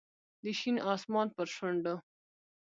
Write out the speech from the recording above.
د شین اسمان پر شونډو